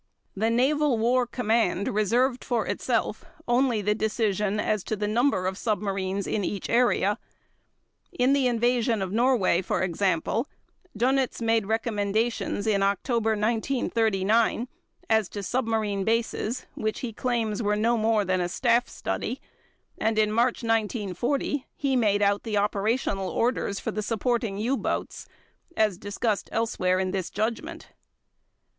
The Naval War Command reserved for itself only the decision as to the number of submarines in each area. In the invasion of Norway, for example, Dönitz made recommendations in October 1939 as to submarine bases, which he claims were no more than a staff study, and in March 1940 he made out the operational orders for the supporting U boats, as discussed elsewhere in this Judgment.